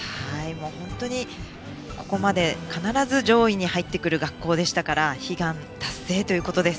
本当にここまで必ず上位に入ってくる学校でしたので悲願達成ということです。